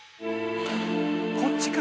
こっちか。